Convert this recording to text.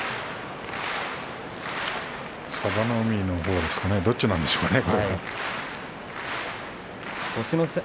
佐田の海のほうですかねどっちなんでしょうかね。